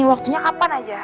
waktunya kapan aja